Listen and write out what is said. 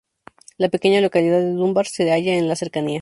La pequeña localidad de Dunbar se halla en las cercanías.